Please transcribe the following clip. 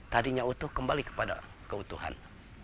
tadinya utuh kembali kepada keutuhan